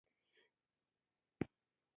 کویلیو سندرې ولیکلې.